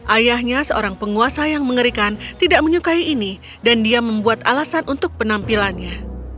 ayahnya seorang penguasa yang mengerikan tidak menyukai ini dan dia membuat alasan untuk penampilannya